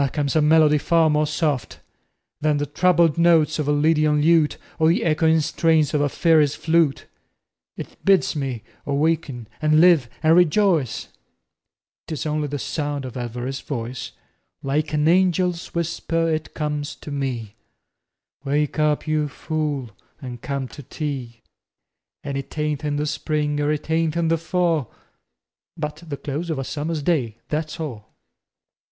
comes a melody far more soft Than the troubled notes of a lydian lute Or the echoing strains of a fairy's flute; It bids me awaken and live and rejoice, 'Tis only the sound of Elviry's voice Like an angel's whisper it comes to me: "Wake up, you fool, and come to tea." An' it ain't in the spring er it ain't in the fall, But the close of a summer's day, That's all.